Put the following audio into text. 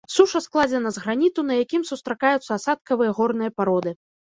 Суша складзена з граніту, на якім сустракаюцца асадкавыя горныя пароды.